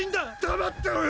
黙ってろよ！